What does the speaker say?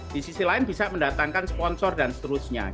di sisi lain bisa mendatangkan sponsor dan seterusnya